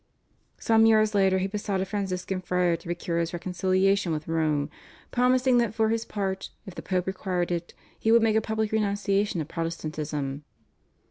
Some years later he besought a Franciscan friar to procure his reconciliation with Rome, promising that for his part, if the Pope required it, he would make a public renunciation of Protestantism.